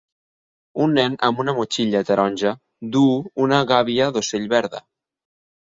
Un nen amb una motxilla taronja duu una gàbia d'ocell verda.